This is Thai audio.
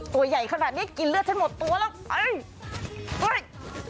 ตัวใหญ่ขนาดนี้กินเลือดฉันหมดตัวแล้ว